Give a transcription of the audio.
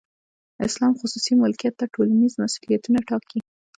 اسلام خصوصي ملکیت ته ټولنیز مسولیتونه ټاکي.